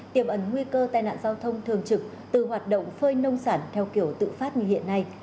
tiềm ẩn nguy cơ tai nạn giao thông thường trực từ hoạt động phơi nông sản theo kiểu tự phát như hiện nay